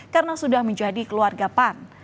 karena sudah menjadi keluarga pan